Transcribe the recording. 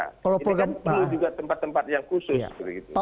ini kan perlu juga tempat tempat yang khusus begitu